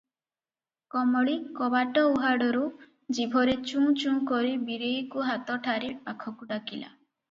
କମଳୀ କବାଟ ଉହାଡ଼ରୁ ଜିଭରେ ଚୁଁ- ଚୁଁ କରି ବୀରେଇକୁହାତ ଠାରି ପାଖକୁ ଡାକିଲା ।